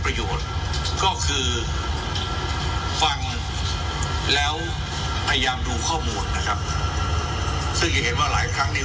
ฝ่ายผู้ถามเองฝ่ายผู้พิพระเองเนี่ย